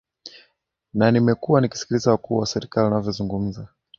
na nimekuwa nikisikiliza wakuu wa serikali wanavyo zungumza